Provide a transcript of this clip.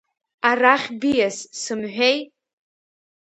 Арахь биас, сымҳәеи!